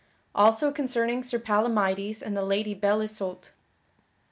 Also concerning Sir Palamydes and the Lady Belle Isoult.